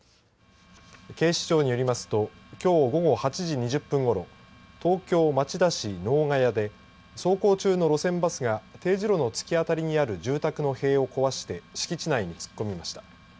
警視庁によりますときょう午後８時２０分ごろ東京、町田市能ヶ谷で走行中の路線バスがＴ字路の突き当たりにある住宅の塀を壊して敷地内に突っ込みました。